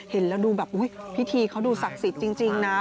เห็นแล้วดูแบบอุ๊ยพิธีเขาดูศักดิ์สิทธิ์จริงนะ